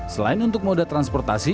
selain untuk moda transportasi